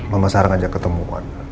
mama sekarang ajak ketemuan